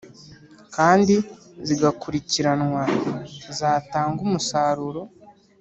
kandi zigakurikiranwa zatanga umusaruro